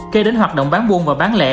kê đến hoạt động bán vuông và bán lẻ